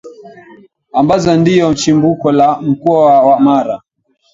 ambazo ndiyo chimbuko la Mkoa wa Mara